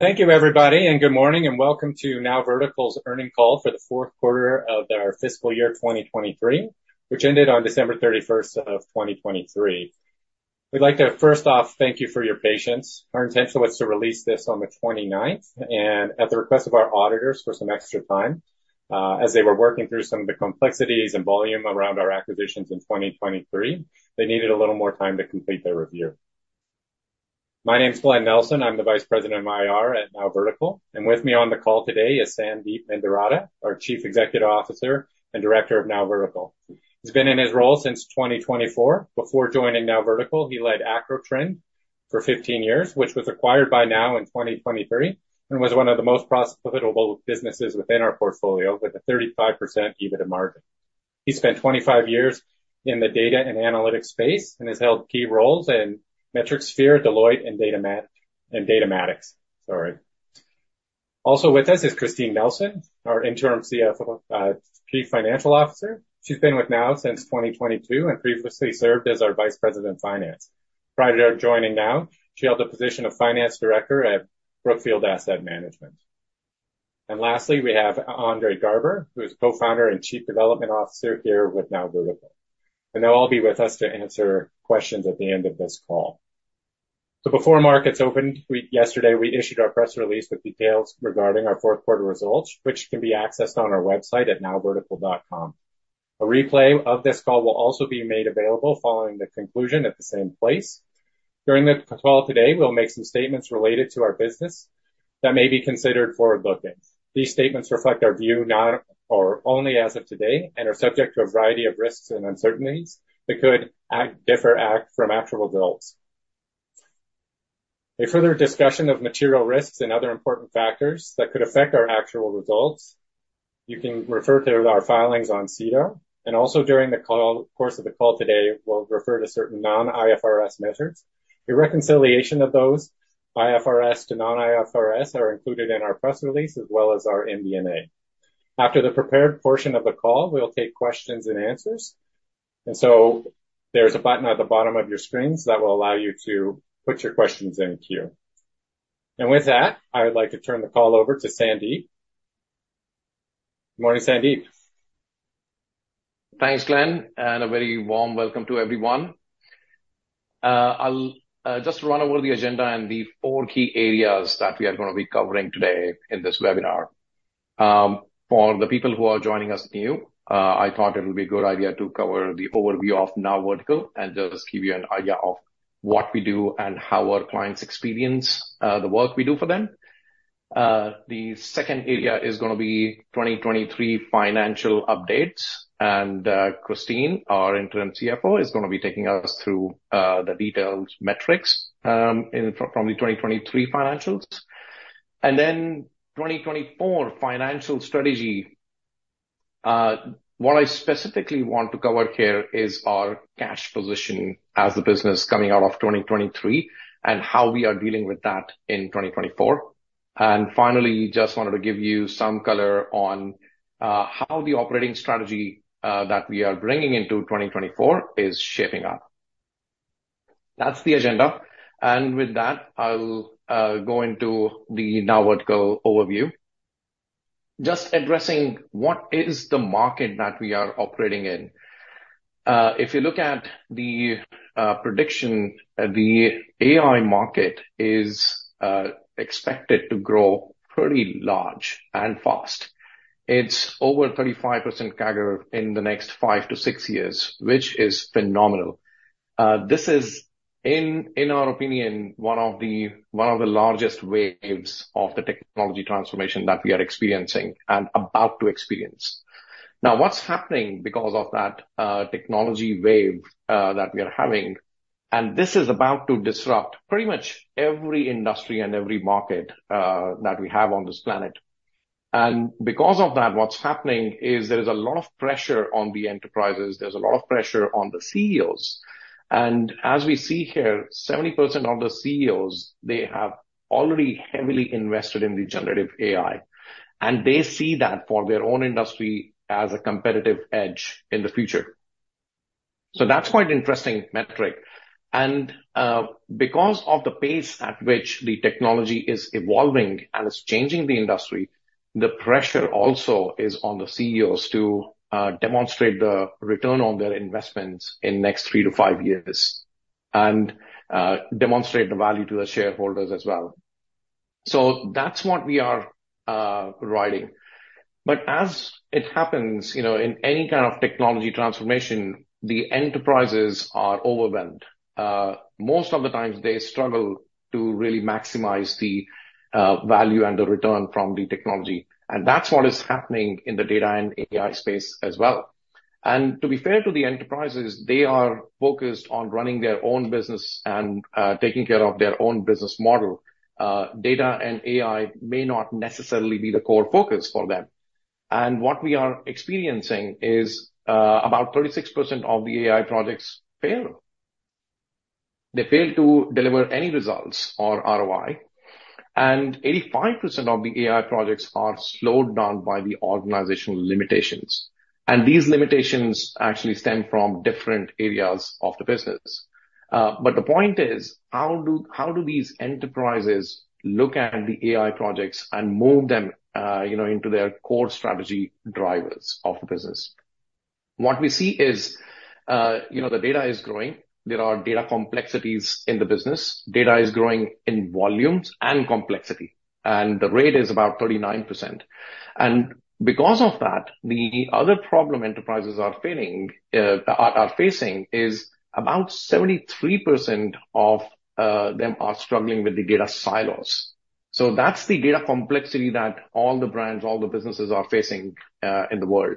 Thank you everybody, good morning, and welcome to NowVertical's earning call for the fourth quarter of our fiscal year 2023, which ended on December 31st, 2023. We'd like to first off thank you for your patience. Our intention was to release this on the 29th, at the request of our auditors for some extra time, as they were working through some of the complexities and volume around our acquisitions in 2023, they needed a little more time to complete their review. My name is Glen Nelson. I'm the Vice President of IR at NowVertical, with me on the call today is Sandeep Mendiratta, our Chief Executive Officer and Director of NowVertical. He's been in his role since 2024. Before joining NowVertical, he led Acrotrend for 15 years, which was acquired by NOW in 2023 and was one of the most profitable businesses within our portfolio with a 35% EBITDA margin. He spent 25 years in the data and analytics space and has held key roles in Metricsphere, Deloitte and Datamatics. Sorry. Also with us is Christine Nelson, our Interim CFO, Chief Financial Officer. She's been with NOW since 2022 and previously served as our Vice President of Finance. Prior to joining Now, she held the position of Finance Director at Brookfield Asset Management. Lastly, we have Andre Garber, who is Co-Founder and Chief Development Officer here with NowVertical. They'll all be with us to answer questions at the end of this call. Before markets opened yesterday, we issued our press release with details regarding our fourth quarter results, which can be accessed on our website at nowvertical.com. A replay of this call will also be made available following the conclusion at the same place. During the call today, we'll make some statements related to our business that may be considered forward-looking. These statements reflect our view now or only as of today and are subject to a variety of risks and uncertainties that could differ from actual results. A further discussion of material risks and other important factors that could affect our actual results, you can refer to our filings on SEDAR. Also during the call, course of the call today, we'll refer to certain non-IFRS measures. The reconciliation of those IFRS to non-IFRS are included in our press release as well as our MD&A. After the prepared portion of the call, we'll take questions and answers. There's a button at the bottom of your screens that will allow you to put your questions in queue. With that, I would like to turn the call over to Sandeep. Morning, Sandeep. Thanks, Glen, and a very warm welcome to everyone. I'll just run over the agenda and the four key areas that we are gonna be covering today in this webinar. For the people who are joining us new, I thought it would be a good idea to cover the overview of NowVertical and just give you an idea of what we do and how our clients experience the work we do for them. The second area is gonna be 2023 financial updates, and Christine, our Interim Chief Financial Officer, is gonna be taking us through the detailed metrics from the 2023 financials. Then 2024 financial strategy. What I specifically want to cover here is our cash position as the business coming out of 2023 and how we are dealing with that in 2024. Finally, just wanted to give you some color on how the operating strategy that we are bringing into 2024 is shaping up. That's the agenda. With that, I'll go into the NowVertical overview. Just addressing what is the market that we are operating in. If you look at the prediction, the AI market is expected to grow pretty large and fast. It's over 35% CAGR in the next five to six years, which is phenomenal. This is in our opinion, one of the largest waves of the technology transformation that we are experiencing and about to experience. What's happening because of that technology wave that we are having, and this is about to disrupt pretty much every industry and every market that we have on this planet. Because of that, what's happening is there is a lot of pressure on the enterprises, there's a lot of pressure on the CEOs. As we see here, 70% of the CEOs, they have already heavily invested in generative AI, and they see that for their own industry as a competitive edge in the future. That's quite interesting metric. Because of the pace at which the technology is evolving and it's changing the industry, the pressure also is on the CEOs to demonstrate the return on their investments in next three to five years and demonstrate the value to the shareholders as well. That's what we are riding. As it happens, you know, in any kind of technology transformation, the enterprises are overwhelmed. Most of the times they struggle to really maximize the value and the return from the technology, and that's what is happening in the data and AI space as well. To be fair to the enterprises, they are focused on running their own business and taking care of their own business model. Data and AI may not necessarily be the core focus for them. What we are experiencing is about 36% of the AI projects fail. They fail to deliver any results or ROI, and 85% of the AI projects are slowed down by the organizational limitations. These limitations actually stem from different areas of the business. The point is, how do these enterprises look at the AI projects and move them, you know, into their core strategy drivers of the business? What we see is, you know, the data is growing. There are data complexities in the business. Data is growing in volumes and complexity, and the rate is about 39%. Because of that, the other problem enterprises are facing is about 73% of them are struggling with the data silos. That's the data complexity that all the brands, all the businesses are facing in the world.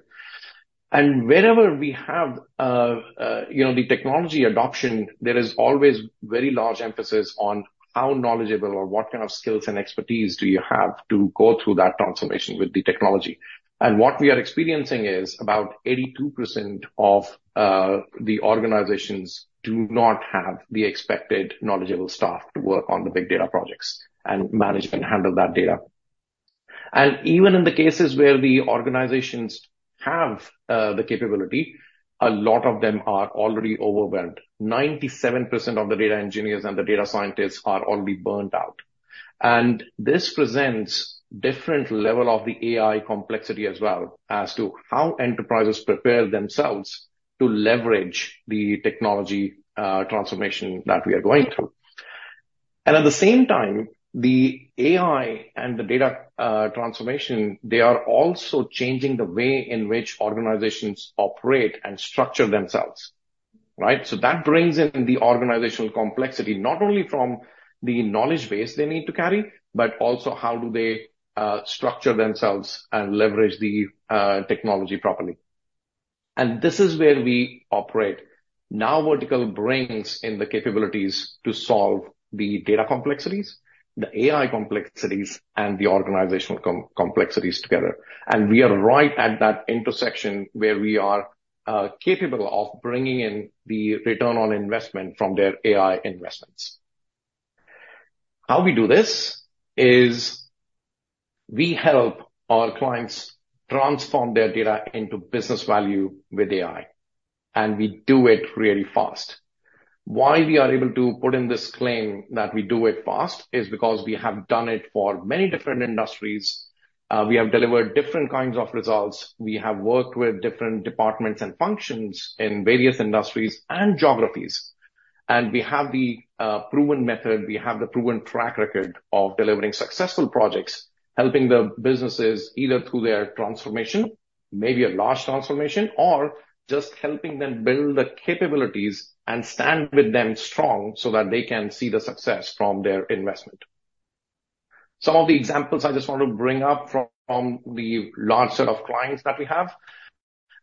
Wherever we have, you know, the technology adoption, there is always very large emphasis on how knowledgeable or what kind of skills and expertise do you have to go through that transformation with the technology. What we are experiencing is about 82% of the organizations do not have the expected knowledgeable staff to work on the big data projects and manage and handle that data. Even in the cases where the organizations have the capability, a lot of them are already overwhelmed. 97% of the data engineers and the data scientists are already burnt out. This presents different level of the AI complexity as well as to how enterprises prepare themselves to leverage the technology transformation that we are going through. At the same time, the AI and the data transformation, they are also changing the way in which organizations operate and structure themselves, right? That brings in the organizational complexity, not only from the knowledge base they need to carry, but also how do they structure themselves and leverage the technology properly. This is where we operate. NowVertical brings in the capabilities to solve the data complexities, the AI complexities, and the organizational complexities together. We are right at that intersection where we are capable of bringing in the return on investment from their AI investments. How we do this is we help our clients transform their data into business value with AI, and we do it really fast. Why we are able to put in this claim that we do it fast is because we have done it for many different industries, we have delivered different kinds of results, we have worked with different departments and functions in various industries and geographies. We have the proven method, we have the proven track record of delivering successful projects, helping the businesses either through their transformation, maybe a large transformation, or just helping them build the capabilities and stand with them strong so that they can see the success from their investment. Some of the examples I just want to bring up from the large set of clients that we have.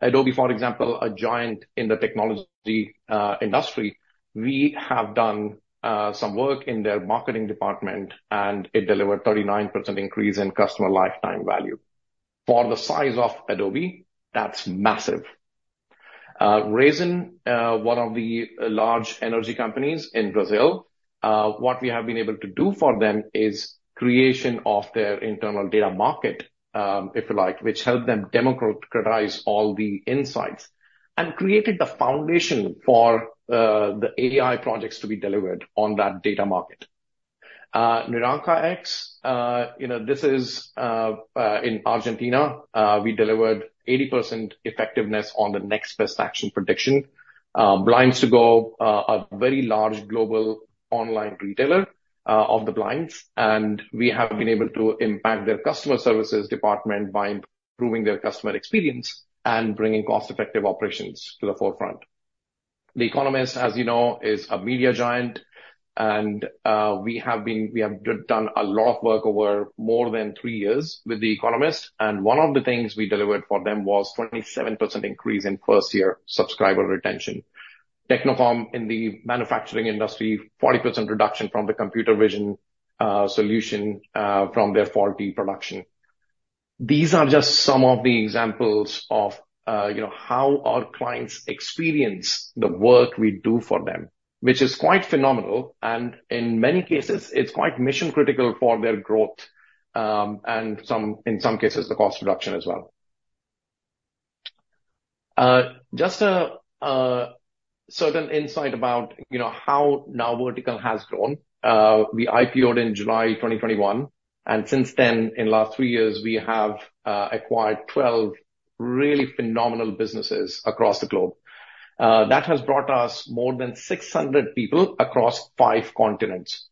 Adobe, for example, a giant in the technology industry. We have done some work in their marketing department, and it delivered 39% increase in customer lifetime value. For the size of Adobe, that's massive. Raízen, one of the large energy companies in Brazil, what we have been able to do for them is creation of their internal data market, if you like, which helped them democratize all the insights and created the foundation for the AI projects to be delivered on that data market. Naranja X, you know, this is in Argentina, we delivered 80% effectiveness on the next best action prediction. Blinds 2go, a very large global online retailer of the blinds, and we have been able to impact their customer services department by improving their customer experience and bringing cost-effective operations to the forefront. The Economist, as you know, is a media giant, and we have done a lot of work over more than three years with The Economist, and one of the things we delivered for them was 27% increase in first year subscriber retention. Technocom in the manufacturing industry, 40% reduction from the computer vision solution from their faulty production. These are just some of the examples of, you know, how our clients experience the work we do for them, which is quite phenomenal, and in many cases, it's quite mission-critical for their growth, and in some cases, the cost reduction as well. Just a certain insight about, you know, how NowVertical has grown. We IPO'd in July 2021, and since then, in last three years, we have acquired 12 really phenomenal businesses across the globe. That has brought us more than 600 people across five continents.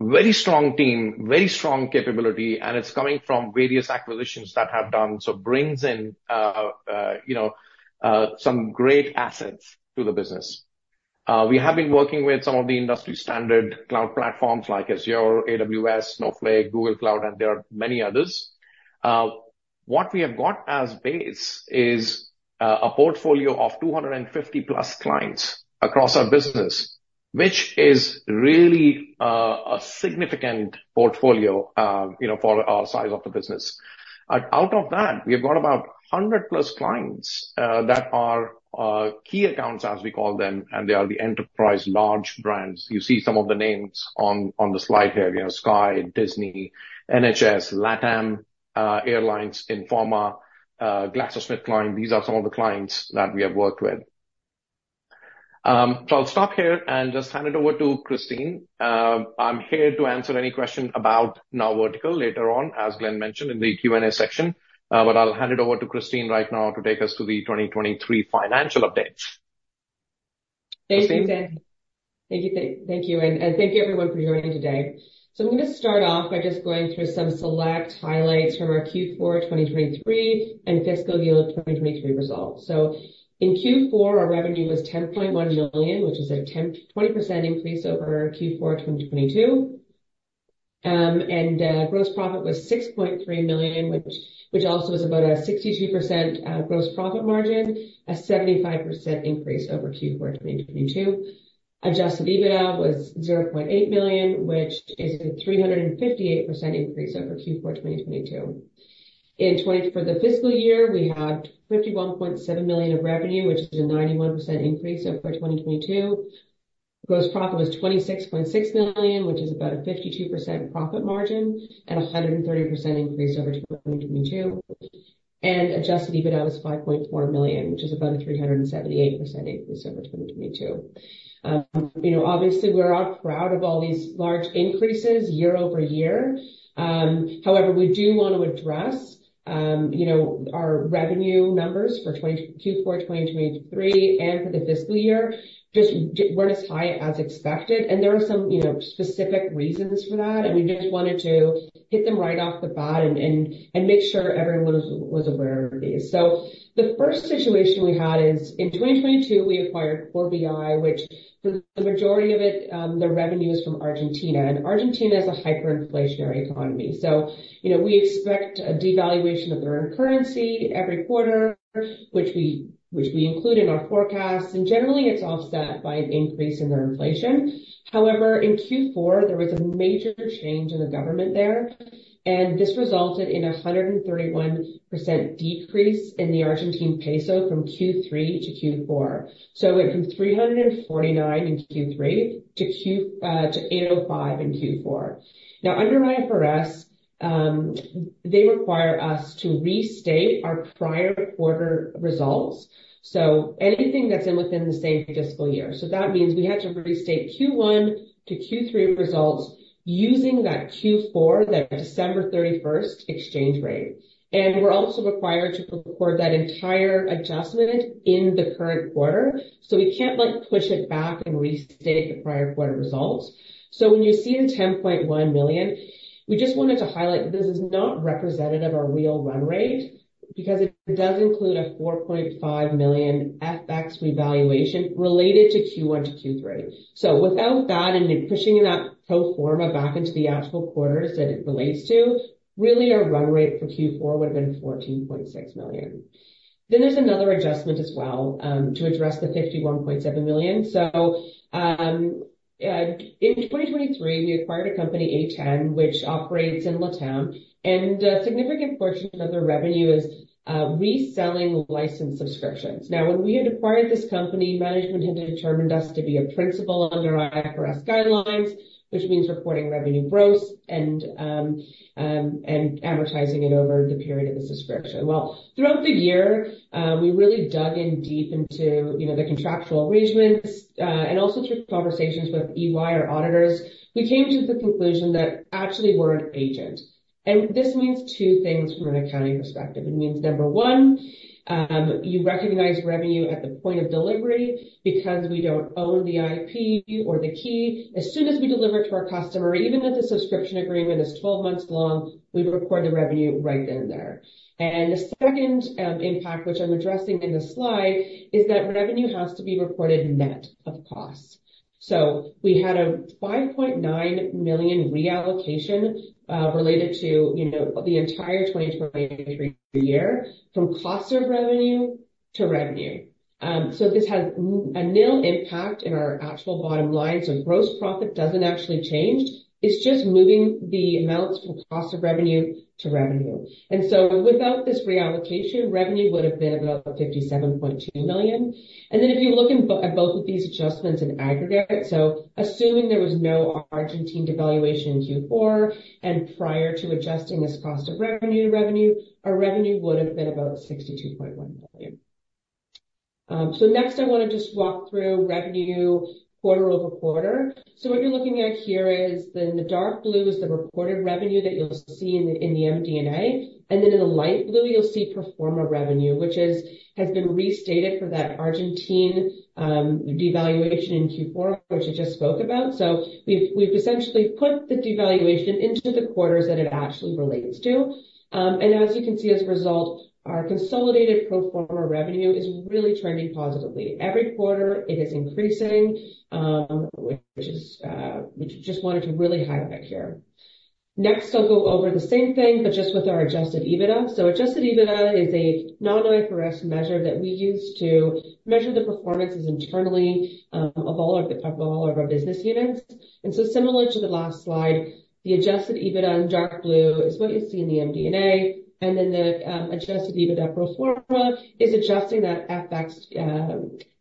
Very strong team, very strong capability, and it's coming from various acquisitions that have done, so brings in, you know, some great assets to the business. We have been working with some of the industry standard cloud platforms like Azure, AWS, Snowflake, Google Cloud, and there are many others. What we have got as base is a portfolio of 250+ clients across our business, which is really a significant portfolio, you know, for our size of the business. Out of that, we have got about 100+ clients that are key accounts as we call them, and they are the enterprise large brands. You see some of the names on the slide here. We have Sky, Disney, NHS, LATAM Airlines, Informa, GlaxoSmithKline. These are some of the clients that we have worked with. I'll stop here and just hand it over to Christine. I'm here to answer any question about NowVertical later on, as Glen mentioned in the Q&A section. I'll hand it over to Christine right now to take us to the 2023 financial update. Christine. Thank you, Sandeep. Thank you. Thank you everyone for joining today. I'm gonna start off by just going through some select highlights from our Q4 2023 and fiscal year 2023 results. In Q4, our revenue was $10.1 million, which is a 20% increase over Q4 2022. Gross profit was $6.3 million, which also is about a 62% gross profit margin, a 75% increase over Q4 2022. Adjusted EBITDA was $0.8 million, which is a 358% increase over Q4 2022. For the fiscal year, we had $51.7 million of revenue, which is a 91% increase over 2022. Gross profit was $26.6 million, which is about a 52% profit margin and a 130% increase over 2022. Adjusted EBITDA was $5.4 million, which is about a 378% increase over 2022. You know, obviously we're all proud of all these large increases year-over-year. However, we do want to address, you know, our revenue numbers for Q4 2023 and for the fiscal year just weren't as high as expected. There are some, you know, specific reasons for that, and we just wanted to hit them right off the bat and make sure everyone was aware of these. The first situation we had is in 2022, we acquired CoreBI, which for the majority of it, the revenue is from Argentina, and Argentina is a hyperinflationary economy. You know, we expect a devaluation of their currency every quarter, which we include in our forecasts, and generally, it's offset by an increase in their inflation. However, in Q4, there was a major change in the government there, and this resulted in a 131% decrease in the ARS from Q3 to Q4. It went from 349 in Q3 to 805 in Q4. Under IFRS, they require us to restate our prior quarter results. Anything that's within the same fiscal year. That means we had to restate Q1 to Q3 results using that Q4, that December 31st exchange rate. We're also required to record that entire adjustment in the current quarter. We can't, like, push it back and restate the prior quarter results. When you see the 10.1 million, we just wanted to highlight this is not representative of real run rate because it does include a 4.5 million FX revaluation related to Q1 to Q3. Without that and then pushing that pro forma back into the actual quarters that it relates to, really our run rate for Q4 would've been 14.6 million. There's another adjustment as well to address the 51.7 million. In 2023, we acquired a company, A10, which operates in LATAM, and a significant portion of their revenue is reselling license subscriptions. When we had acquired this company, management had determined us to be a principal under IFRS guidelines, which means reporting revenue gross and amortizing it over the period of the subscription. Well, throughout the year, we really dug in deep into, you know, the contractual arrangements, and also through conversations with EY, our auditors, we came to the conclusion that actually we're an agent. This means two things from an accounting perspective. It means, number one, you recognize revenue at the point of delivery because we don't own the IP or the key. As soon as we deliver to our customer, even if the subscription agreement is 12 months long, we record the revenue right in there. The second impact, which I'm addressing in this slide, is that revenue has to be reported net of costs. We had a $5.9 million reallocation, related to, you know, the entire 2023 year from cost of revenue to revenue. This has a nil impact in our actual bottom line. Gross profit doesn't actually change. It's just moving the amounts from cost of revenue to revenue. Without this reallocation, revenue would've been about $57.2 million. If you look at both of these adjustments in aggregate, assuming there was no Argentine devaluation in Q4 and prior to adjusting this cost of revenue to revenue, our revenue would've been about $62.1 million. Next I want to just walk through revenue quarter-over-quarter. What you're looking at here is then the dark blue is the reported revenue that you'll see in the MD&A, and then in the light blue, you'll see pro forma revenue, which has been restated for that Argentine devaluation in Q4, which I just spoke about. We've essentially put the devaluation into the quarters that it actually relates to. As you can see as a result, our consolidated pro forma revenue is really trending positively. Every quarter it is increasing, which we just wanted to really highlight here. I'll go over the same thing, but just with our adjusted EBITDA. Adjusted EBITDA is a non-IFRS measure that we use to measure the performances internally, of all of our business units. Similar to the last slide, the adjusted EBITDA in dark blue is what you see in the MD&A, and then the adjusted EBITDA pro forma is adjusting that FX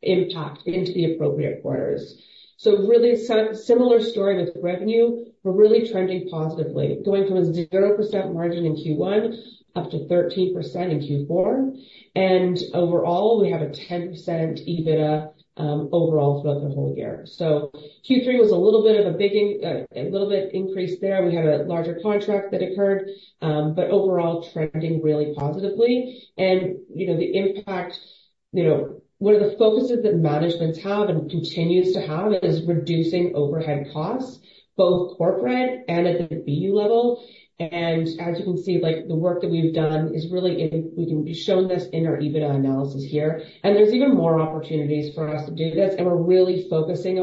impact into the appropriate quarters. Really similar story with revenue. We're really trending positively, going from a 0% margin in Q1 up to 13% in Q4. Overall, we have a 10% EBITDA overall throughout the whole year. Q3 was a little bit of a little bit increase there. We had a larger contract that occurred. Overall trending really positively. You know, the impact, you know, one of the focuses that management have and continues to have is reducing overhead costs, both corporate and at the BU level. As you can see, like the work that we've done is really shown this in our EBITDA analysis here. There's even more opportunities for us to do this, and we're really focusing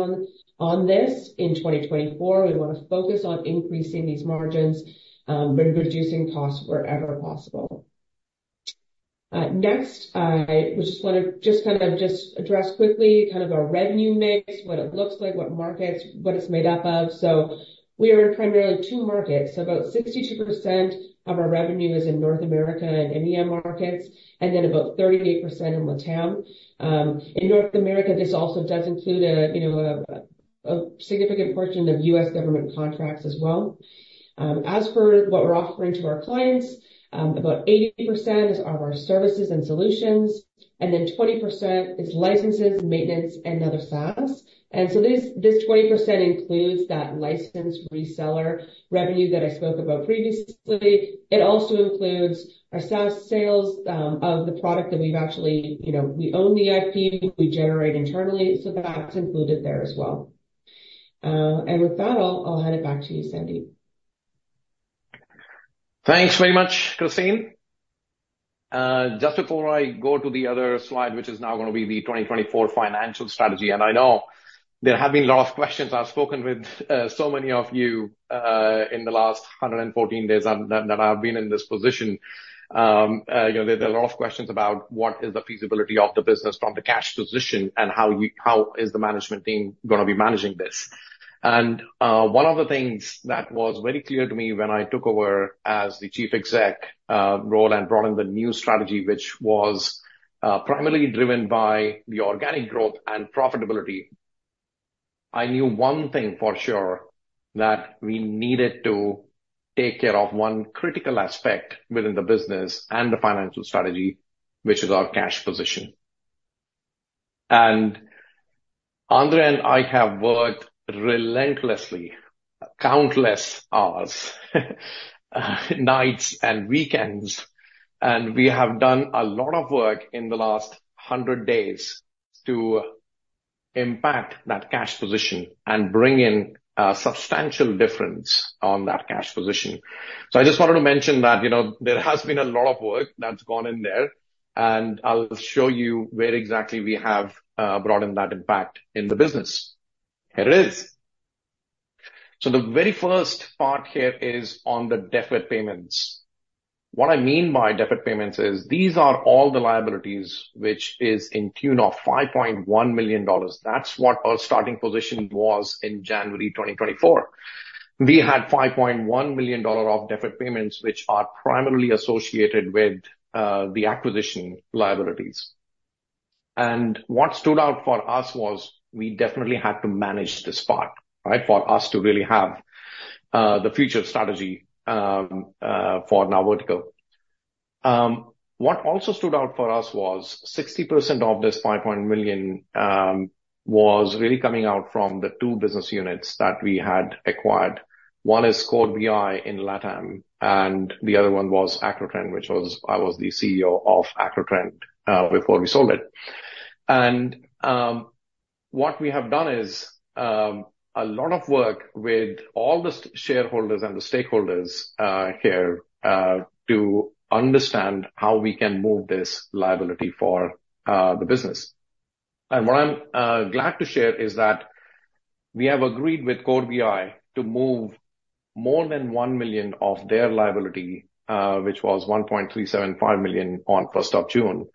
on this in 2024. We wanna focus on increasing these margins, reducing costs wherever possible. Next, I just wanna kind of address quickly kind of our revenue mix, what it looks like, what markets, what it's made up of. We are in primarily two markets. About 62% of our revenue is in North America and EMEA markets, and then about 38% in LATAM. In North America, this also does include a, you know, a significant portion of U.S. government contracts as well. As for what we're offering to our clients, about 80% is of our services and solutions, and then 20% is licenses, maintenance, and other SaaS. This 20% includes that license reseller revenue that I spoke about previously. It also includes our SaaS sales of the product that we've actually, you know, we own the IP, we generate internally, so that's included there as well. With that, I'll hand it back to you, Sandeep. Thanks very much, Christine. Just before I go to the other slide, which is now gonna be the 2024 financial strategy, and I know there have been a lot of questions. I've spoken with so many of you in the last 114 days that I've been in this position. You know, there are a lot of questions about what is the feasibility of the business from the cash position and how is the management team gonna be managing this. One of the things that was very clear to me when I took over as the chief exec role and brought in the new strategy, which was primarily driven by the organic growth and profitability, I knew one thing for sure, that we needed to take care of one critical aspect within the business and the financial strategy, which is our cash position. Andre and I have worked relentlessly, countless hours, nights and weekends, and we have done a lot of work in the last 100 days to impact that cash position and bring in a substantial difference on that cash position. I just wanted to mention that, you know, there has been a lot of work that's gone in there, and I'll show you where exactly we have brought in that impact in the business. Here it is. The very first part here is on the deferred payments. What I mean by deferred payments is these are all the liabilities which is in tune of $5.1 million. That's what our starting position was in January 2024. We had $5.1 million of deferred payments, which are primarily associated with the acquisition liabilities. What stood out for us was we definitely had to manage this part, right? For us to really have the future strategy for NowVertical. What also stood out for us was 60% of this $5.1 million was really coming out from the two business units that we had acquired. One is CoreBI in LATAM, and the other one was Acrotrend. I was the CEO of Acrotrend before we sold it. What we have done is a lot of work with all the shareholders and the stakeholders here to understand how we can move this liability for the business. What I'm glad to share is that we have agreed with CoreBI to move more than $1 million of their liability, which was $1.375 million on first of June.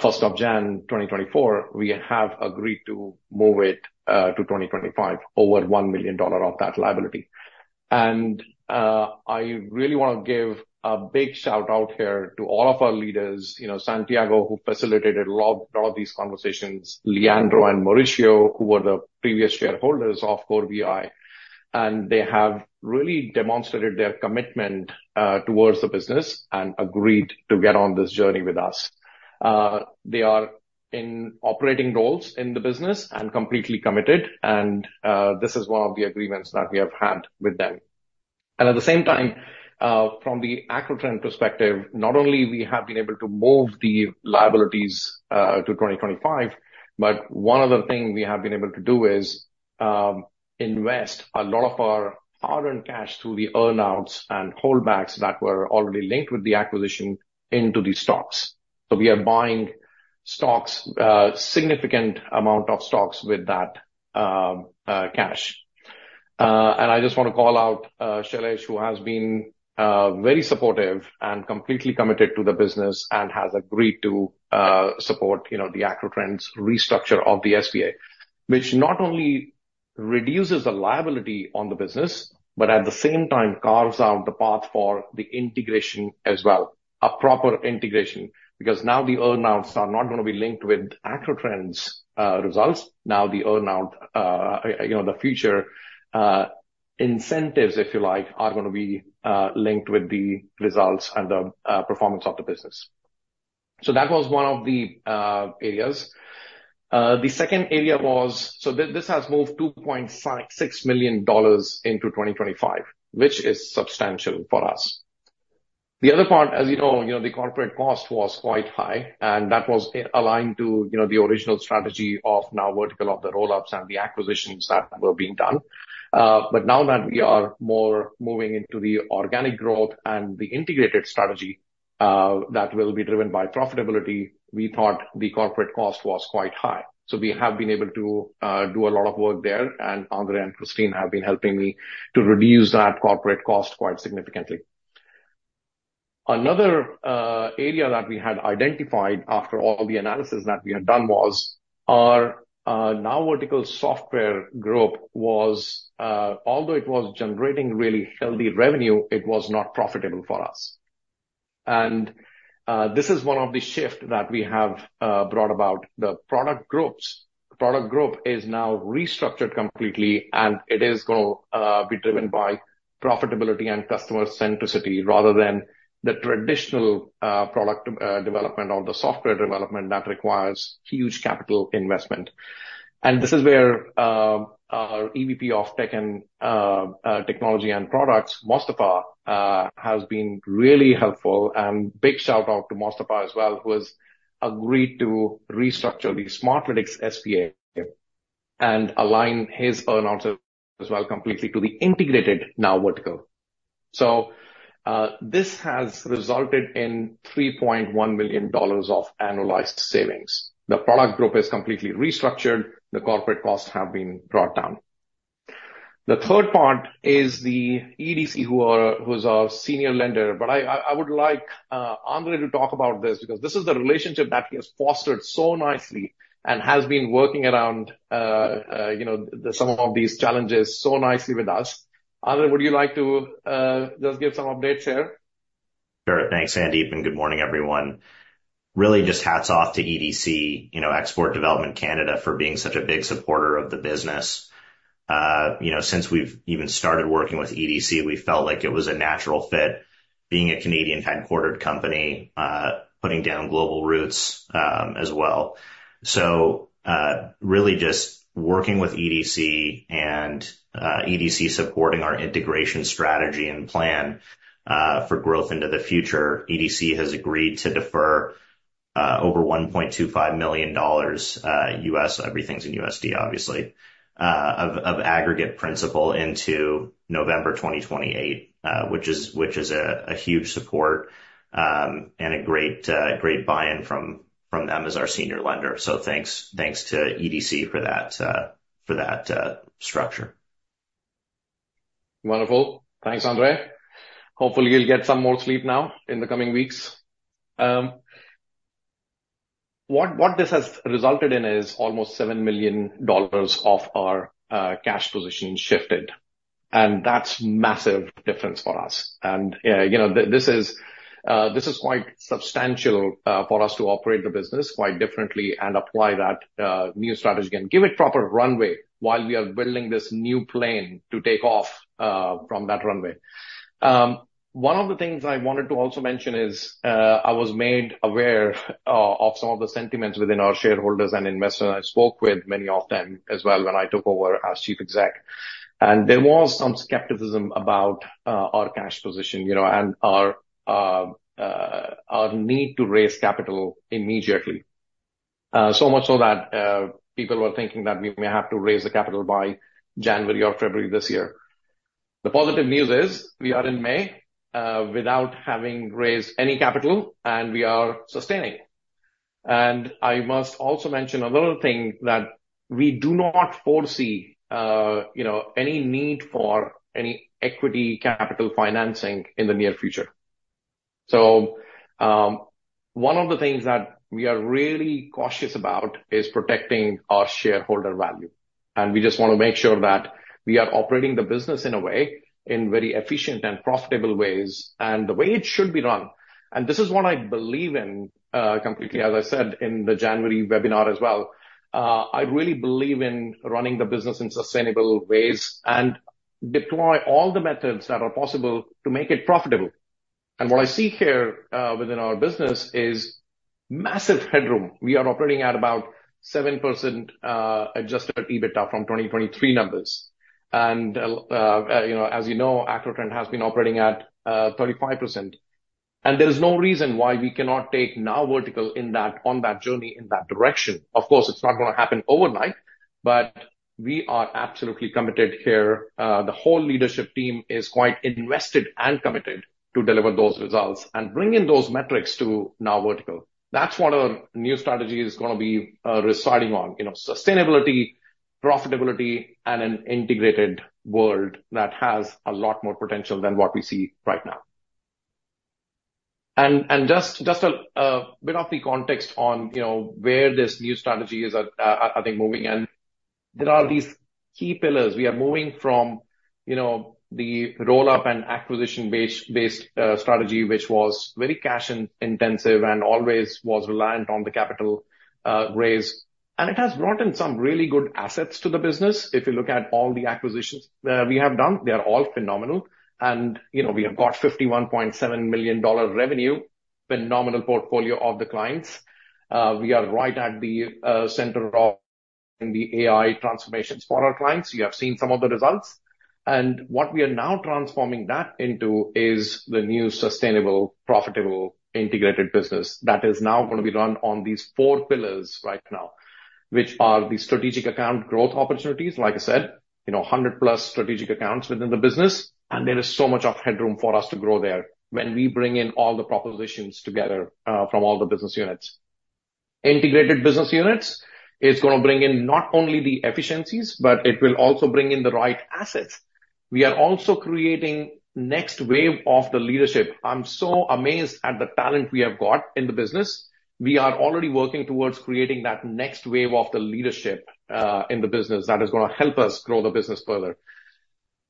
First of January 2024, we have agreed to move it to 2025, over $1 million of that liability. I really wanna give a big shout-out here to all of our leaders. You know, Santiago, who facilitated a lot of these conversations. Leandro and Mauricio, who were the previous shareholders of CoreBI, and they have really demonstrated their commitment towards the business and agreed to get on this journey with us. They are in operating roles in the business and completely committed, this is one of the agreements that we have had with them. At the same time, from the Acrotrend perspective, not only we have been able to move the liabilities to 2025, but one other thing we have been able to do is invest a lot of our hard-earned cash through the earn-outs and holdbacks that were already linked with the acquisition into the stocks. We are buying stocks, significant amount of stocks with that cash. I just wanna call out Shailesh, who has been very supportive and completely committed to the business and has agreed to support, you know, the Acrotrend's restructure of the SPA. Which not only reduces the liability on the business, but at the same time carves out the path for the integration as well. A proper integration. Now the earn-outs are not gonna be linked with Acrotrend's results. The earn-out, you know, the future incentives, if you like, are gonna be linked with the results and the performance of the business. That was one of the areas. The second area was. This has moved $2.6 million into 2025, which is substantial for us. The other part, as you know, you know, the corporate cost was quite high, and that was aligned to, you know, the original strategy of NowVertical, of the roll-ups and the acquisitions that were being done. Now that we are more moving into the organic growth and the integrated strategy, that will be driven by profitability, we thought the corporate cost was quite high. We have been able to do a lot of work there, and Andre and Christine have been helping me to reduce that corporate cost quite significantly. Another area that we had identified after all the analysis that we had done was our NowVertical software group was, although it was generating really healthy revenue, it was not profitable for us. This is one of the shift that we have brought about. The product groups. The product group is now restructured completely, and it is gonna be driven by profitability and customer centricity rather than the traditional product development or the software development that requires huge capital investment. This is where our EVP of tech and technology and products, Mostafa, has been really helpful. Big shout-out to Mostafa as well, who has agreed to restructure the Smartlytics SPA and align his earn-out as well completely to the integrated NowVertical. This has resulted in $3.1 million of annualized savings. The product group is completely restructured. The corporate costs have been brought down. The third part is the EDC, who's our senior lender. I would like Andre to talk about this because this is the relationship that he has fostered so nicely and has been working around, you know, some of these challenges so nicely with us. Andre, would you like to just give some updates here? Sure. Thanks, Sandeep. Good morning, everyone. Really just hats off to EDC, Export Development Canada, for being such a big supporter of the business. Since we've even started working with EDC, we felt like it was a natural fit being a Canadian headquartered company, putting down global roots as well. Really just working with EDC and EDC supporting our integration strategy and plan for growth into the future. EDC has agreed to defer over $1.25 million US, everything's in USD, obviously, of aggregate principal into November 2028, which is a huge support and a great buy-in from them as our senior lender. Thanks to EDC for that for that structure. Wonderful. Thanks, Andre. Hopefully, you'll get some more sleep now in the coming weeks. What this has resulted in is almost $7 million of our cash position shifted, that's massive difference for us. You know, this is quite substantial for us to operate the business quite differently and apply that new strategy and give it proper runway while we are building this new plane to take off from that runway. One of the things I wanted to also mention is I was made aware of some of the sentiments within our shareholders and investors. I spoke with many of them as well when I took over as chief exec, there was some skepticism about our cash position, you know, and our need to raise capital immediately. So much so that people were thinking that we may have to raise the capital by January or February this year. The positive news is we are in May without having raised any capital, and we are sustaining. I must also mention another thing, that we do not foresee, you know, any need for any equity capital financing in the near future. One of the things that we are really cautious about is protecting our shareholder value, and we just wanna make sure that we are operating the business in a way, in very efficient and profitable ways and the way it should be run. This is what I believe in completely, as I said in the January webinar as well. I really believe in running the business in sustainable ways and deploy all the methods that are possible to make it profitable. What I see here within our business is massive headroom. We are operating at about 7% adjusted EBITDA from 2023 numbers. You know, as you know, Acrotrend has been operating at 35%. There is no reason why we cannot take NowVertical on that journey, in that direction. Of course, it's not gonna happen overnight. We are absolutely committed here. The whole leadership team is quite invested and committed to deliver those results and bring in those metrics to NowVertical. That's what our new strategy is gonna be residing on. You know, sustainability, profitability, and an integrated world that has a lot more potential than what we see right now. Just a bit of the context on, you know, where this new strategy is at, I think moving in. There are these key pillars. We are moving from, you know, the roll-up and acquisition base-based strategy, which was very cash in-intensive and always was reliant on the capital raise. It has brought in some really good assets to the business. If you look at all the acquisitions that we have done, they are all phenomenal. You know, we have got 51.7 million dollar revenue, phenomenal portfolio of the clients. We are right at the center of the AI transformations for our clients. You have seen some of the results. What we are now transforming that into is the new sustainable, profitable, integrated business that is now going to be run on these four pillars right now, which are the strategic account growth opportunities. Like I said, you know, 100+ strategic accounts within the business, and there is so much of headroom for us to grow there when we bring in all the propositions together from all the business units. Integrated business units is going to bring in not only the efficiencies, but it will also bring in the right assets. We are also creating next wave of the leadership. I'm so amazed at the talent we have got in the business. We are already working towards creating that next wave of the leadership in the business that is going to help us grow the business further.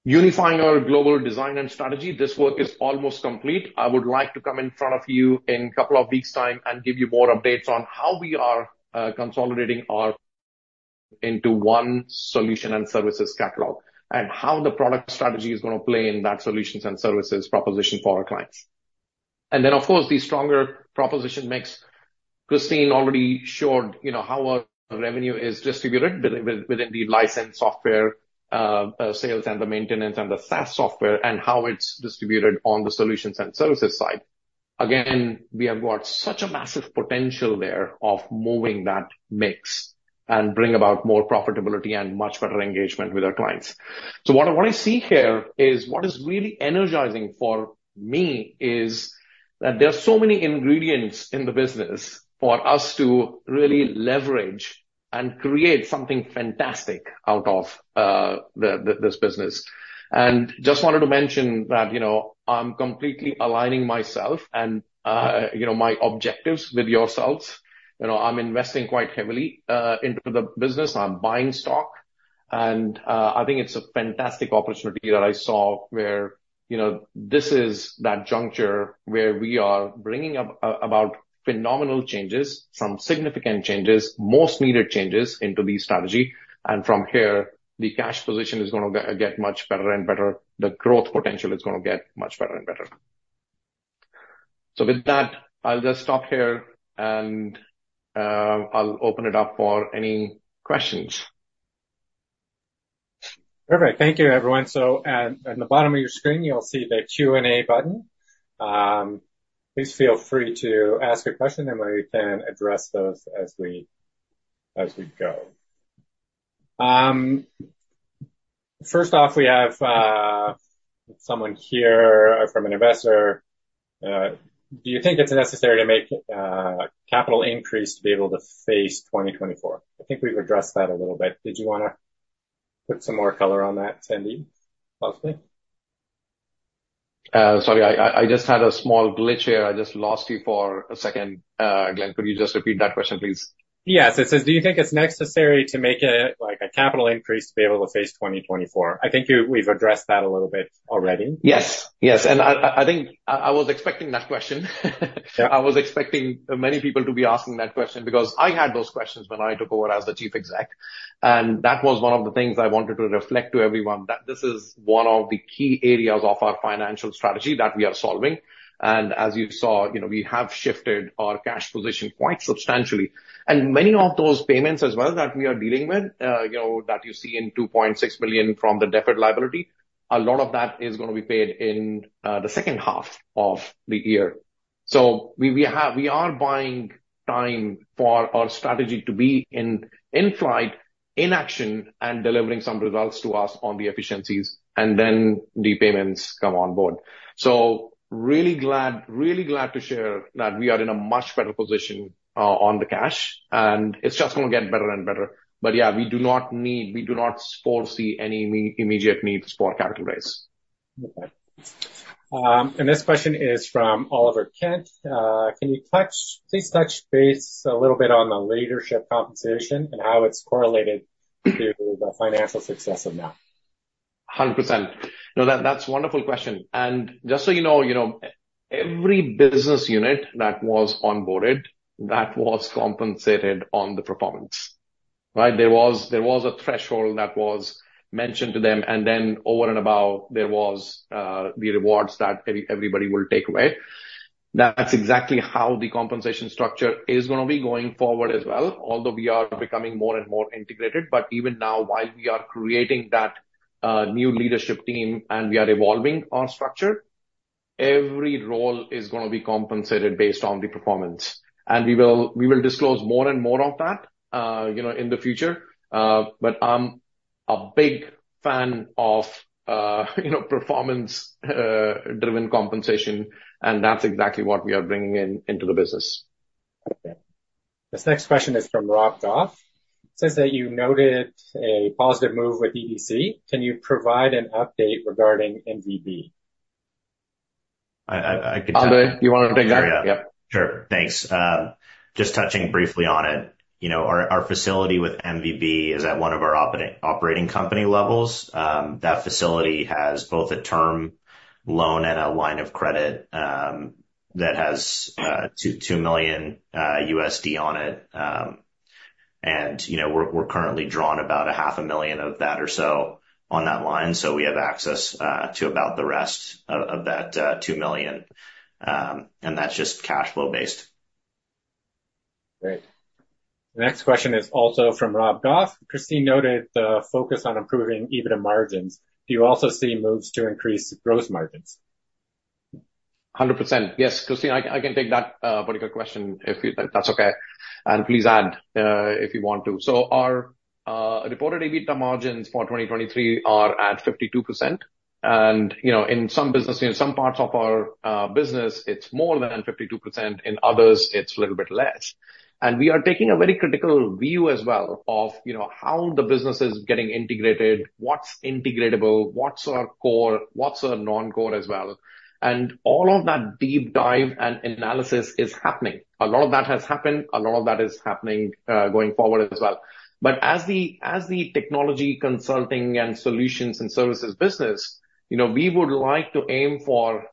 Unifying our global design and strategy, this work is almost complete. I would like to come in front of you in couple of weeks time and give you more updates on how we are consolidating our into one solution and services catalog, and how the product strategy is gonna play in that solutions and services proposition for our clients. Of course, the stronger proposition mix. Christine already showed, you know, how our revenue is distributed within the licensed software sales and the maintenance and the SaaS software, and how it's distributed on the solutions and services side. Again, we have got such a massive potential there of moving that mix and bring about more profitability and much better engagement with our clients. What I see here is what is really energizing for me is that there are so many ingredients in the business for us to really leverage and create something fantastic out of this business. Just wanted to mention that, you know, I'm completely aligning myself and, you know, my objectives with yourselves. You know, I'm investing quite heavily into the business. I'm buying stock. I think it's a fantastic opportunity that I saw where, you know, this is that juncture where we are bringing about phenomenal changes, some significant changes, most needed changes into the strategy. From here, the cash position is gonna get much better and better. The growth potential is gonna get much better and better. With that, I'll just stop here and I'll open it up for any questions. Perfect. Thank you, everyone. At the bottom of your screen, you'll see the Q&A button. Please feel free to ask a question, and we can address those as we go. First off, we have someone here from an investor. Do you think it's necessary to make a capital increase to be able to face 2024? I think we've addressed that a little bit. Did you wanna put some more color on that, Sandeep, possibly? Sorry, I just had a small glitch here. I just lost you for a second, Glen. Could you just repeat that question, please? Yes. It says, "Do you think it's necessary to make a, like, a capital increase to be able to face 2024?" I think we've addressed that a little bit already. Yes. Yes. I think I was expecting that question. I was expecting many people to be asking that question because I had those questions when I took over as the chief exec. That was one of the things I wanted to reflect to everyone, that this is one of the key areas of our financial strategy that we are solving. As you saw, you know, we have shifted our cash position quite substantially. Many of those payments as well that we are dealing with, you know, that you see in 2.6 million from the deferred liability, a lot of that is gonna be paid in the second half of the year. We are buying time for our strategy to be in flight, in action and delivering some results to us on the efficiencies, and then the payments come on board. Really glad to share that we are in a much better position on the cash, and it's just gonna get better and better. Yeah, we do not foresee any immediate needs for capital raise. Okay. This question is from Oliver Kent. Please touch base a little bit on the leadership compensation and how it's correlated to the financial success of Now. 100%. That's a wonderful question. Just so you know, you know, every business unit that was onboarded, that was compensated on the performance, right? There was a threshold that was mentioned to them, and then over and above, there was the rewards that everybody will take away. That's exactly how the compensation structure is going to be going forward as well, although we are becoming more and more integrated. Even now, while we are creating that new leadership team and we are evolving our structure. Every role is going to be compensated based on the performance. We will disclose more and more of that, you know, in the future. I'm a big fan of, you know, performance-driven compensation, and that's exactly what we are bringing in, into the business. Okay. This next question is from Rob Goff. Says that you noted a positive move with EDC. Can you provide an update regarding MVB? I can take that. Andre, you wanna take that? Yep. Sure. Thanks. Just touching briefly on it. You know, our facility with MVB is at one of our operating company levels. That facility has both a term loan and a line of credit that has $2 million USD on it. You know, we're currently drawn about a $500,000 million of that or so on that line, so we have access to about the rest of that $2 million. That's just cash flow-based. Great. The next question is also from Rob Goff. Christine noted the focus on improving EBITDA margins. Do you also see moves to increase gross margins? 100%. Yes, Christine, I can take that particular question if that's okay. Please add if you want to. Our reported EBITDA margins for 2023 are at 52%. You know, in some business, in some parts of our business, it's more than 52%. In others, it's a little bit less. We are taking a very critical view as well of, you know, how the business is getting integrated, what's integratable, what's our core, what's our non-core as well. All of that deep dive and analysis is happening. A lot of that has happened. A lot of that is happening going forward as well. As the, as the technology consulting and solutions and services business, you know, we would like to aim for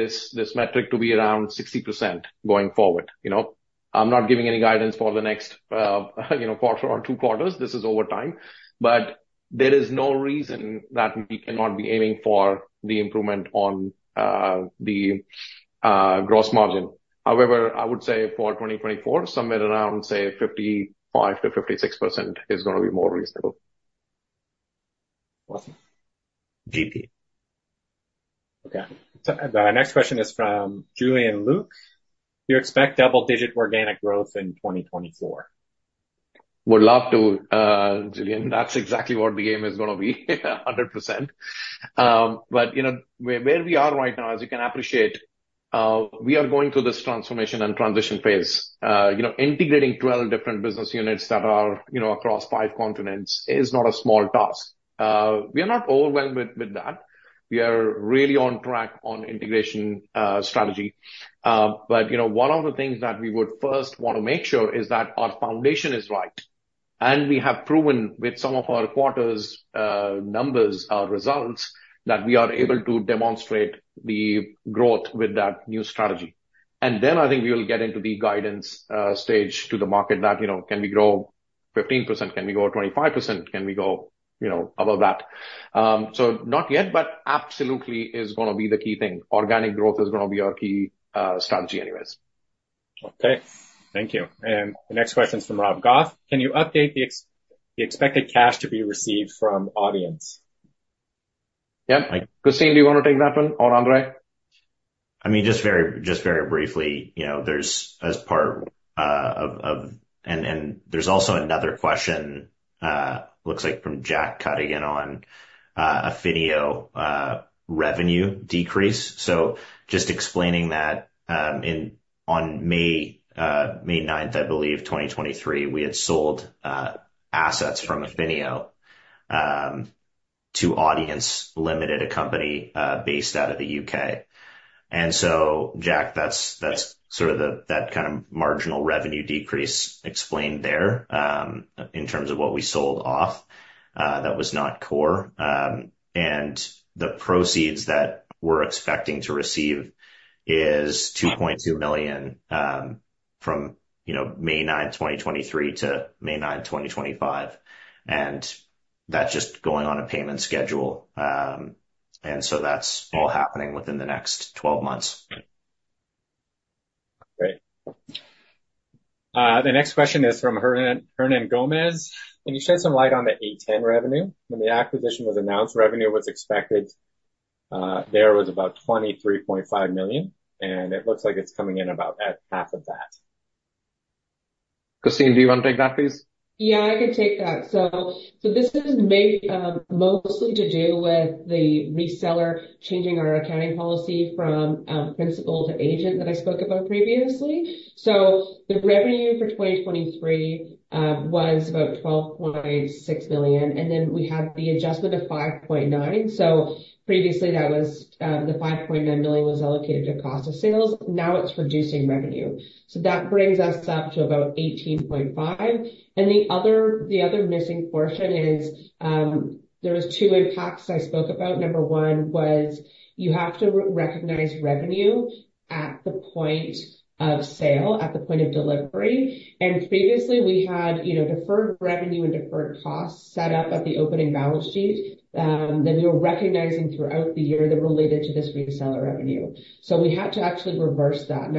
this metric to be around 60% going forward, you know. I'm not giving any guidance for the next, you know, quarter or two quarters. This is over time. There is no reason that we cannot be aiming for the improvement on the gross margin. However, I would say for 2024, somewhere around, say, 55% to 56% is gonna be more reasonable. Awesome. GP. Okay. The next question is from Julian Luke. Do you expect double-digit organic growth in 2024? Would love to, Julian. That's exactly what the game is going to be. 100%. You know, where we are right now, as you can appreciate, we are going through this transformation and transition phase. You know, integrating 12 different business units that are, you know, across five continents is not a small task. We are not overwhelmed with that. We are really on track on integration strategy. You know, one of the things that we would first want to make sure is that our foundation is right. We have proven with some of our quarters, numbers, our results, that we are able to demonstrate the growth with that new strategy. I think we will get into the guidance stage to the market that, you know, can we grow 15%? Can we grow 25%? Can we grow, you know, above that? Not yet, but absolutely is gonna be the key thing. Organic growth is gonna be our key strategy anyways. Okay. Thank you. The next question is from Rob Goff. Can you update the expected cash to be received from Audiense? Yeah. Christine, do you wanna take that one or Andre? I mean, just very briefly, you know. There's also another question, looks like from Jack cutting in on Affinio revenue decrease. Just explaining that, on May 9, 2023, we had sold assets from Affinio to Audiense Ltd, a company based out of the U.K. Jack, that's sort of the, that kind of marginal revenue decrease explained there, in terms of what we sold off that was not core. The proceeds that we're expecting to receive is 2.2 million, from, you know, May 9, 2023 to May 9, 2025. That's just going on a payment schedule. That's all happening within the next 12 months. Great. The next question is from Hernan Gomez. Can you shed some light on the A10 revenue? When the acquisition was announced, revenue was expected, there was about $23.5 million, and it looks like it's coming in about at half of that. Christine, do you wanna take that, please? Yeah, I can take that. This is mostly to do with the reseller changing our accounting policy from principal to agent that I spoke about previously. The revenue for 2023 was about $12.6 billion, and then we had the adjustment of $5.9. Previously, that was, the $5.9 million was allocated to cost of sales. Now it's reducing revenue. That brings us up to about $18.5. The other, the other missing portion is, there was two impacts I spoke about. Number one was you have to recognize revenue at the point of sale, at the point of delivery. Previously, we had, you know, deferred revenue and deferred costs set up at the opening balance sheet that we were recognizing throughout the year that related to this reseller revenue. We had to actually reverse that.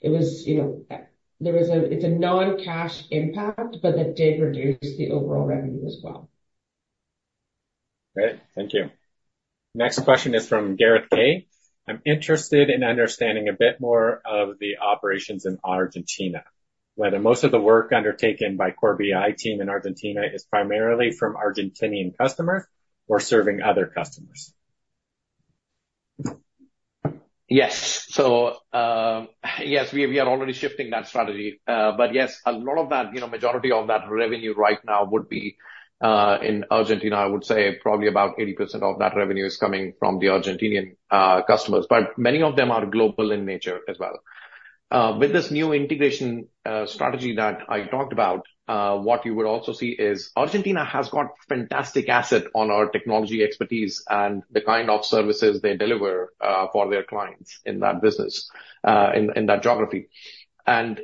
It was, you know, It's a non-cash impact, but that did reduce the overall revenue as well. Great. Thank you. Next question is from Gareth K. I'm interested in understanding a bit more of the operations in Argentina, whether most of the work undertaken by CoreBI team in Argentina is primarily from Argentinian customers or serving other customers. Yes. Yes, we are already shifting that strategy. Yes, a lot of that, you know, majority of that revenue right now would be in Argentina. I would say probably about 80% of that revenue is coming from the Argentinian customers, but many of them are global in nature as well. With this new integration strategy that I talked about, what you would also see is Argentina has got fantastic asset on our technology expertise and the kind of services they deliver for their clients in that business in that geography.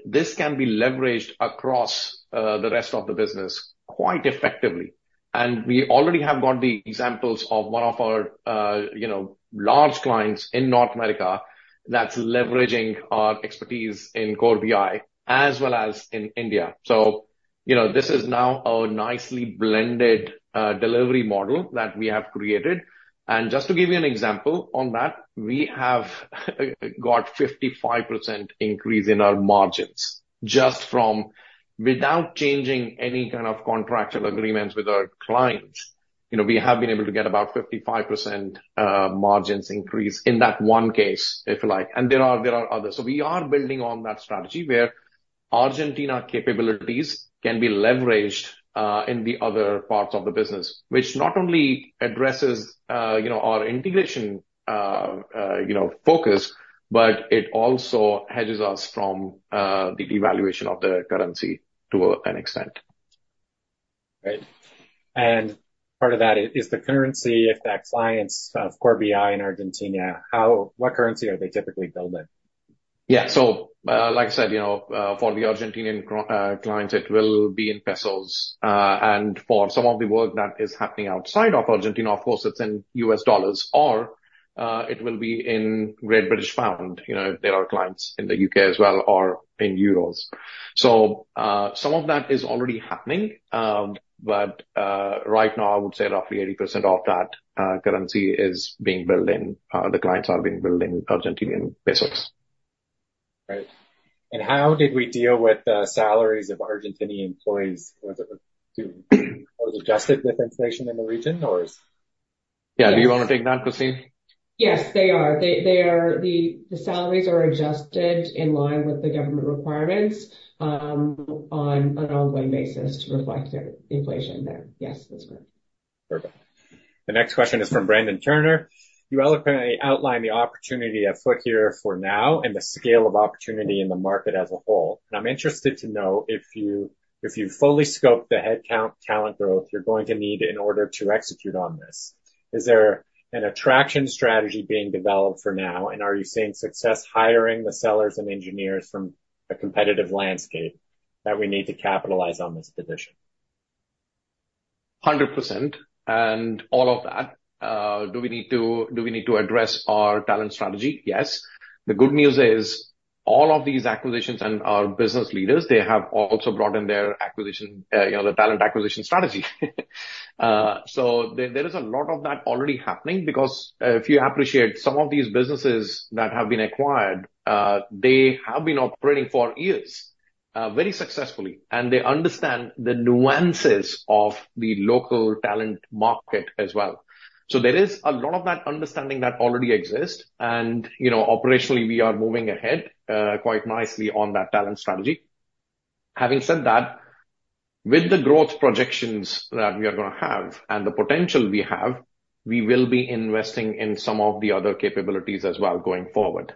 This can be leveraged across the rest of the business quite effectively. We already have got the examples of one of our, you know, large clients in North America that's leveraging our expertise in CoreBI as well as in India. You know, this is now a nicely blended delivery model that we have created. Just to give you an example on that, we have got 55% increase in our margins without changing any kind of contractual agreements with our clients. You know, we have been able to get about 55% margins increase in that one case, if you like. There are others. We are building on that strategy where Argentina capabilities can be leveraged in the other parts of the business, which not only addresses, you know, our integration, you know, focus, but it also hedges us from the devaluation of the currency to an extent. Right. Part of that is the currency effect clients of CoreBI in Argentina, what currency are they typically billed in? Yeah. Like I said, you know, for the Argentinian clients, it will be in pesos. For some of the work that is happening outside of Argentina, of course, it's in U.S. dollars or, it will be in Great British pound, you know, there are clients in the U.K. as well or in euros. Some of that is already happening. Right now, I would say roughly 80% of that currency is being billed in, the clients are being billed in Argentinian pesos. Right. How did we deal with the salaries of Argentinian employees? Was it adjusted with inflation in the region? Yeah. Do you wanna take that, Christine? Yes, they are. They are. The salaries are adjusted in line with the government requirements on an ongoing basis to reflect their inflation there. Yes, that's correct. Perfect. The next question is from Brandon Turner. You eloquently outlined the opportunity at we have here for NOW and the scale of opportunity in the market as a whole. I'm interested to know if you've fully scoped the headcount talent growth you're going to need in order to execute on this. Is there an attraction strategy being developed for now? Are you seeing success hiring the sellers and engineers from a competitive landscape that we need to capitalize on this position? 100% and all of that. Do we need to address our talent strategy? Yes. The good news is all of these acquisitions and our business leaders, they have also brought in their acquisition, you know, the talent acquisition strategy. So there is a lot of that already happening because if you appreciate some of these businesses that have been acquired, they have been operating for years, very successfully, and they understand the nuances of the local talent market as well. So there is a lot of that understanding that already exists. Operationally, we are moving ahead, you know, quite nicely on that talent strategy. Having said that, with the growth projections that we are going to have and the potential we have, we will be investing in some of the other capabilities as well going forward.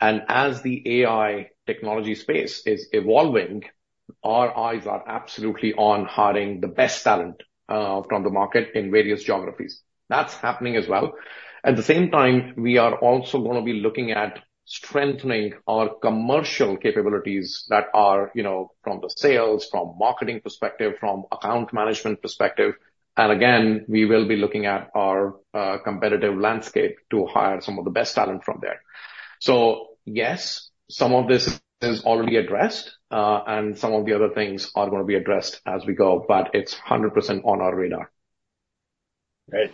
As the AI technology space is evolving, our eyes are absolutely on hiring the best talent from the market in various geographies. That's happening as well. At the same time, we are also gonna be looking at strengthening our commercial capabilities that are, you know, from the sales, from marketing perspective, from account management perspective. Again, we will be looking at our competitive landscape to hire some of the best talent from there. Yes, some of this is already addressed, and some of the other things are gonna be addressed as we go, but it's 100% on our radar. Great.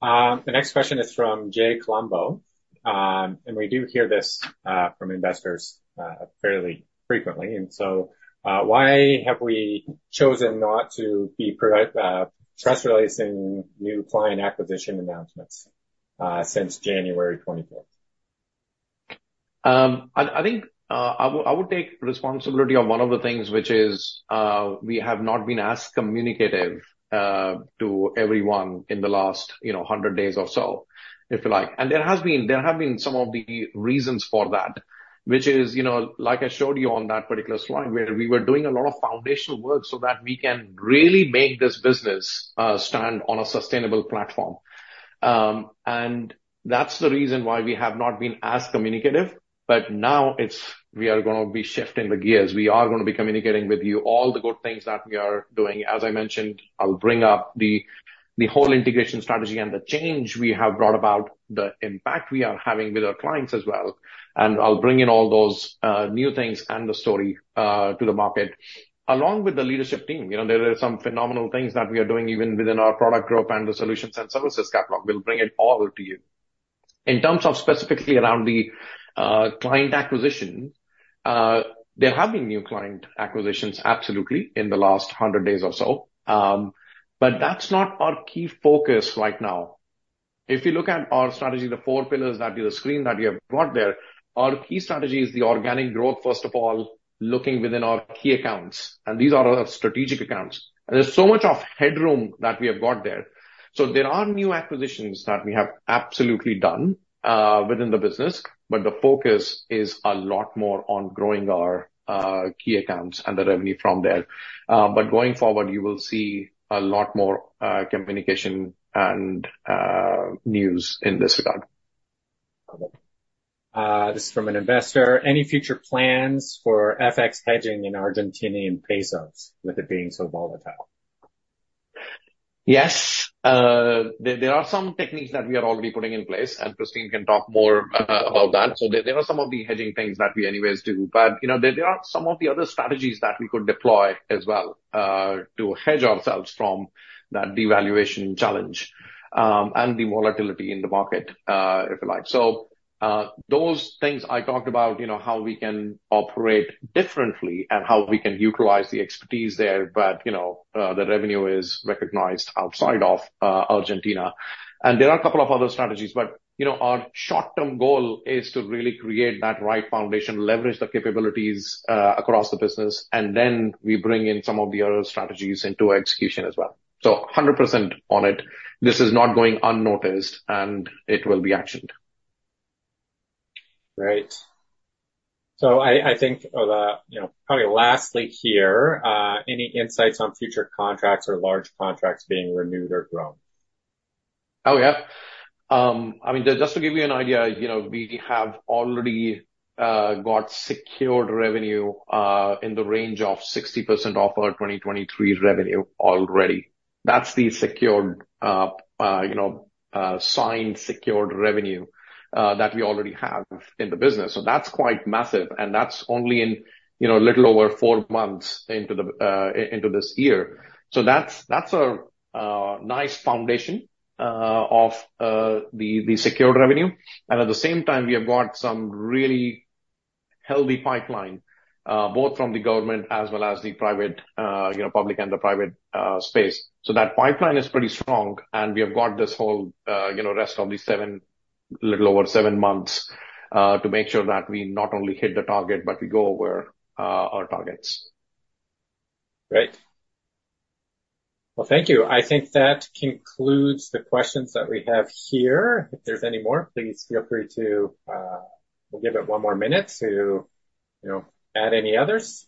The next question is from Jay Colombo. We do hear this from investors fairly frequently. Why have we chosen not to be press releasing new client acquisition announcements since January 24th? I think I would take responsibility on one of the things which is, we have not been as communicative to everyone in the last, you know, 100 days or so, if you like. There have been some of the reasons for that, which is, you know, like I showed you on that particular slide where we were doing a lot of foundational work so that we can really make this business stand on a sustainable platform. That's the reason why we have not been as communicative. Now we are gonna be shifting the gears. We are gonna be communicating with you all the good things that we are doing. As I mentioned, I'll bring up the whole integration strategy and the change we have brought about, the impact we are having with our clients as well, and I'll bring in all those new things and the story to the market. Along with the leadership team. You know, there are some phenomenal things that we are doing even within our product growth and the solutions and services catalog. We'll bring it all to you. In terms of specifically around the client acquisition, there have been new client acquisitions, absolutely, in the last 100 days or so. That's not our key focus right now. If you look at our strategy, the four pillars that the screen that we have got there, our key strategy is the organic growth, first of all, looking within our key accounts, and these are our strategic accounts. There's so much of headroom that we have got there. There are new acquisitions that we have absolutely done within the business, but the focus is a lot more on growing our key accounts and the revenue from there. Going forward, you will see a lot more communication and news in this regard. This is from an investor. Any future plans for FX hedging in Argentinian pesos, with it being so volatile? There are some techniques that we are already putting in place, and Christine can talk more about that. There are some of the hedging things that we anyways do. You know, there are some of the other strategies that we could deploy as well to hedge ourselves from that devaluation challenge and the volatility in the market, if you like. Those things I talked about, you know, how we can operate differently and how we can utilize the expertise there. You know, the revenue is recognized outside of Argentina. There are a couple of other strategies, but, you know, our short-term goal is to really create that right foundation, leverage the capabilities across the business, and then we bring in some of the other strategies into execution as well. 100% on it. This is not going unnoticed, and it will be actioned. Great. I think, you know, probably lastly here, any insights on future contracts or large contracts being renewed or grown? Oh, yeah. I mean, just to give you an idea, you know, we have already got secured revenue in the range of 60% of our 2023 revenue already. That's the secured, you know, signed, secured revenue that we already have in the business. That's quite massive, and that's only in, you know, a little over four months into this year. That's a nice foundation of the secured revenue. At the same time, we have got some really healthy pipeline both from the government as well as the private, you know, public and the private space. That pipeline is pretty strong, and we have got this whole, you know, rest of the little over seven months to make sure that we not only hit the target, but we go over our targets. Great. Well, thank you. I think that concludes the questions that we have here. If there's any more, please feel free to. We'll give it one more minute to, you know, add any others.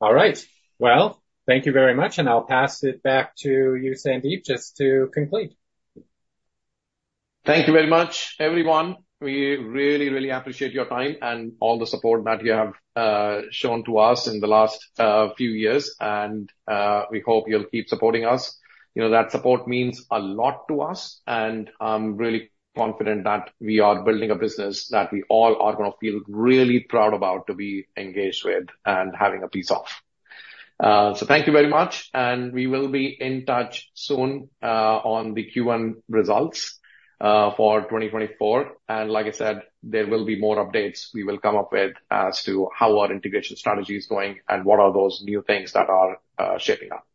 All right. Well, thank you very much, and I'll pass it back to you, Sandeep, just to complete. Thank you very much, everyone. We really, really appreciate your time and all the support that you have shown to us in the last few years. We hope you'll keep supporting us. You know, that support means a lot to us, and I'm really confident that we are building a business that we all are gonna feel really proud about to be engaged with and having a piece of. Thank you very much. We will be in touch soon on the Q1 results for 2024. Like I said, there will be more updates we will come up with as to how our integration strategy is going and what are those new things that are shaping up. Thank you.